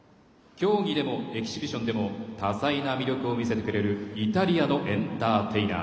競技でもエキシビションでも多彩な魅力を見せてくれるイタリアのエンターテイナー。